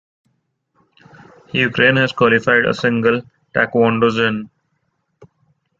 Ukraine has qualified a single taekwondo jin.